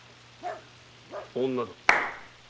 女だった。